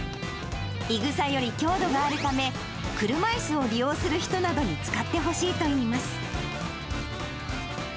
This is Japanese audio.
い草より強度があるため、車いすを利用する人などに使ってほしいといいます。